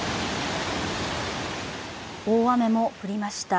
大雨も降りました。